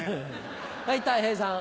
はいたい平さん。